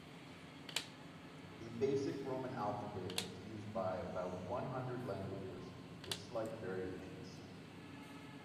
The basic Roman alphabet is used by about one hundred languages, with slight variations.